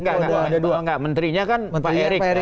nggak menterinya kan pak erik